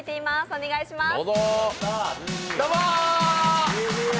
お願いいたします。